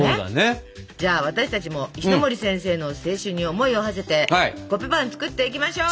じゃあ私たちも石森先生の青春に思いをはせてコッペパン作っていきましょう。